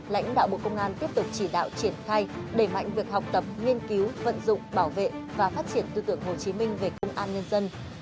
lãnh đạo bộ công an tiếp tục chỉ đạo triển khai đẩy mạnh việc học tập nghiên cứu vận dụng bảo vệ và phát triển tư tưởng hồ chí minh về công an nhân dân